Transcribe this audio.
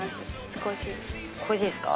少しこれでいいですか？